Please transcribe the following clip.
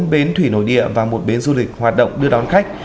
bốn bến thủy nội địa và một bến du lịch hoạt động đưa đón khách